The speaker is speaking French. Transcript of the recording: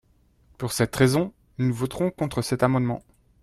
Pour cette raison, nous voterons contre cet amendement.